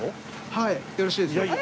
はいよろしいですよ。